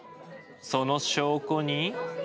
その証拠に。